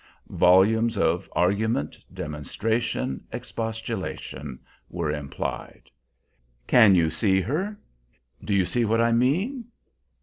Volumes of argument, demonstration, expostulation were implied. "Can you see her? Do you see what I mean?